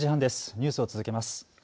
ニュースを続けます。